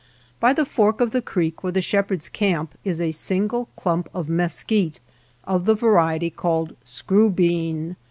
By the fork of the creek where the shepherds camp is a single clump of mesquite of the variety called " screw bean."